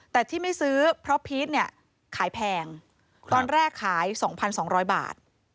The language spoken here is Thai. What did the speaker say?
แต่ที่ไม่ซื้อเพราะพีชเนี่ยขายแพงตอนแรกขาย๒๒๐๐บาท